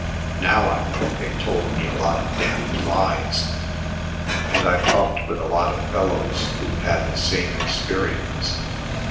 Now I know they told me a lot of damned lies. And I've talked with a lot of fellows who've had the same experience....